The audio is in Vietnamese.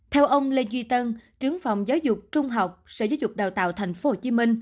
theo ông lê duy tân trưởng phòng giáo dục trung học sở giáo dục đào tạo tp hcm